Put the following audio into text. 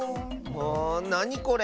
なにこれ？